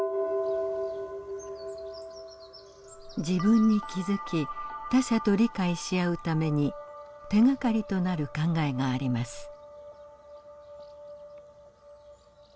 自分に気づき他者と理解し合うために手がかりとなる考えがあります。